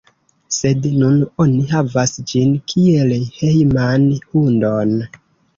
Sed nun oni havas ĝin kiel hejman hundon.